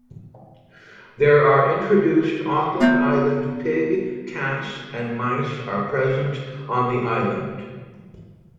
There are introduced Auckland Island pig, cats and mice are present on the island.